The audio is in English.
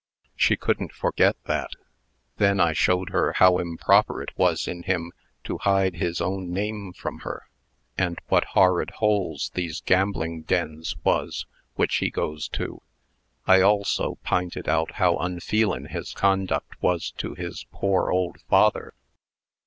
She couldn't forget that. Then I showed her how improper it was in him to hide his own name from her, and what horrid holes these gambling dens was which he goes to. I also p'inted out how unfeelin' his conduct was to his poor old father."